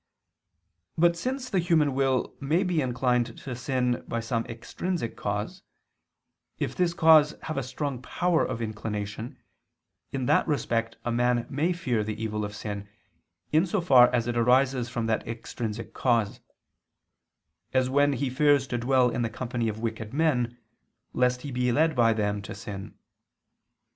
But since the human will may be inclined to sin by an extrinsic cause; if this cause have a strong power of inclination, in that respect a man may fear the evil of sin, in so far as it arises from that extrinsic cause: as when he fears to dwell in the company of wicked men, lest he be led by them to sin.